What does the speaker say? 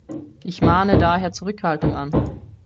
Ich mahne daher Zurückhaltung an!